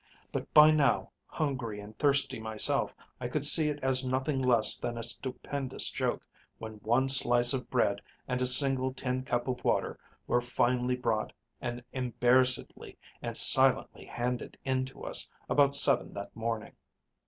But by now, hungry and thirsty myself, I could see it as nothing less than a stupendous joke when one slice of bread and a single tin cup of water were finally brought and embarrassedly and silently handed in to us about seven that morning.